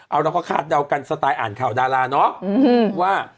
เอาเราก็คาดเดากันสไตล์อ่านข่าวดาราเนาะว่า